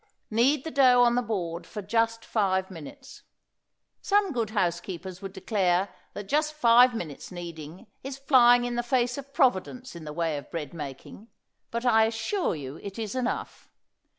Knead the dough on the board for just five minutes. Some good housekeepers would declare that just five minutes' kneading is flying in the face of Providence in the way of bread making, but I assure you it is enough.